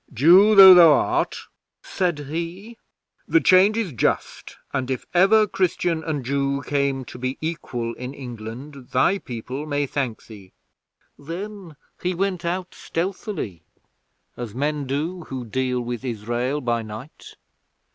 "Jew though thou art," said he, "the change is just, and if ever Christian and Jew came to be equal in England thy people may thank thee." Then he went out stealthily, as men do who deal with Israel by night.